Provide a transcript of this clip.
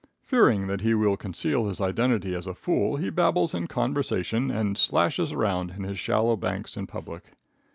Fearing that he will conceal his identity as a fool, he babbles in conversation and slashes around in his shallow banks in public.